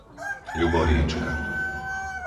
Ľuboriečka